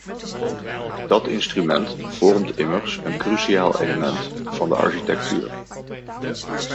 Dat instrument vormt immers een cruciaal element van de architectuur.